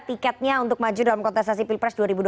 tiketnya untuk maju dalam konteksasi pilpres